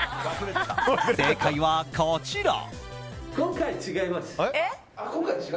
正解は、こちら。